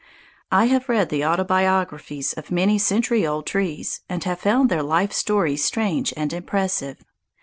I have read the autobiographies of many century old trees, and have found their life stories strange and impressive.